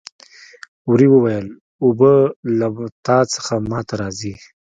وري وویل اوبه له تا څخه ما ته راځي.